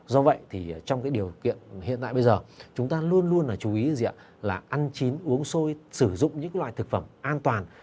do vậy thì trong cái điều kiện hiện tại bây giờ chúng ta luôn luôn là chú ý là ăn chín uống xôi sử dụng những loại thực phẩm an toàn